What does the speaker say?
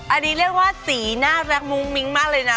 อันนี้เรียกว่าสีน่ารักมุ้งมิ้งมากเลยนะ